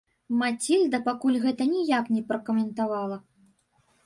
Мацільда пакуль гэта ніяк не пракаментавала.